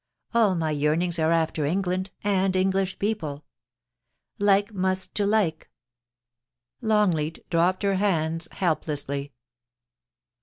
All my yearnings are after England, and English people. Like must to Uke ' Longleat dropped her hands helplessly.